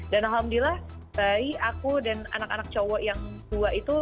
dan alhamdulillah bayi aku dan anak anak cowok yang tua itu